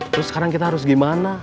terus sekarang kita harus gimana